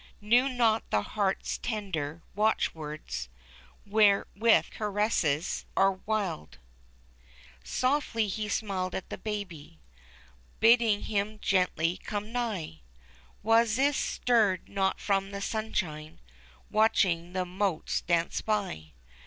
Knew not the heart's tender watchwords Wherewith caresses are wiled ; 312 THE CHILDREN'S WONDER BOOK. Softly he smiled at the Baby, Bidding him, gently, come nigh. Wasis stirred not from the sunshine. Watching the motes dance by.